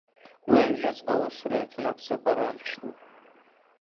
Уи аҩныҵҟа аусура иаҿын аԥсабара амч ду.